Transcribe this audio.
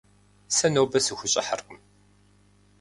Сэ нобэ сыхущӏыхьэркъым.